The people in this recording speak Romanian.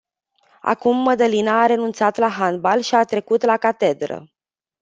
Acum Mădălina a renunțat la handbal și a trecut la catedră.